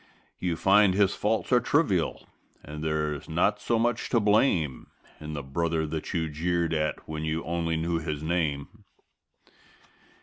You find his faults are trivial and there's not so much to blame In the brother that you jeered at when you only knew his name.